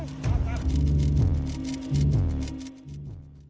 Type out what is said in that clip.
ครับ